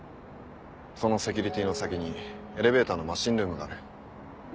そのセキュリティーの先にエレベーターのマシンルームがある。